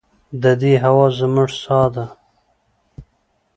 د دې هوا زموږ ساه ده